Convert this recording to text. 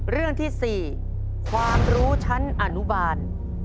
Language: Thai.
เรื่องที่๔ความรู้ชั้นอนุบาล